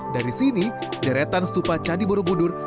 dari sini deretan stupa candi borobudur